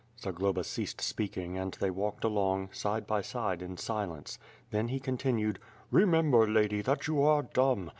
Zagloba ceased speaking, and they walked along, side by side in silence." Then he continued: "Remember, lady, that you are dumb.